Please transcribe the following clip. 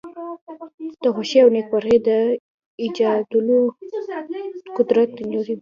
د خوښۍ او نېکمرغی د ایجادولو قدرت لری.